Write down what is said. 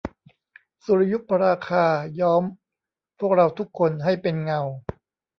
สุริยุปราคาย้อมพวกเราทุกคนให้เป็นเงา